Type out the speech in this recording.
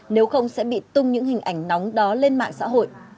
nếu không sẽ bị tung những hình ảnh nóng đó lên mạng xã hội